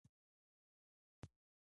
د زابل په اتغر کې د سمنټو مواد شته.